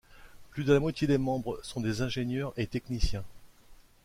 Plus de la moitié des membres sont des ingénieurs et techniciens.